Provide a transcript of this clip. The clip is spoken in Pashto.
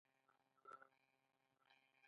ایا زه باید ظلم وکړم؟